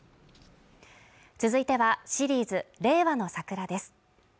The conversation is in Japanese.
続いてはシリーズ「令和のサクラ」です